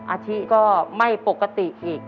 อาทิก็ไม่ปกติอีก